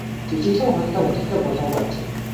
Жижиглэн худалдаа нь олигтой болоогүй ажээ.